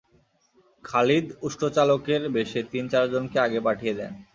খালিদ উষ্ট্রচালকের বেশে তিন-চারজনকে আগে পাঠিয়ে দেন।